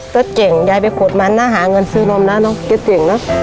เติ๊ดเจ๋งยายไปขวดมันนะหาเงินซื้อลมนะน้องเติ๊ดเจ๋งนะ